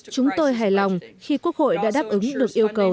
chúng tôi hài lòng khi quốc hội đã đáp ứng được yêu cầu